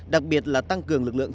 đặc biệt là tăng cường lực lượng